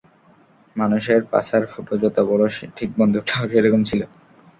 মানুষের পাছার ফুটো যত বড় ঠিক বন্দুকটাও সেরকম ছিলো!